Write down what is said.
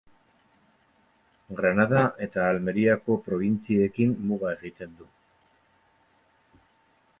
Granada eta Almeriako probintziekin muga egiten du.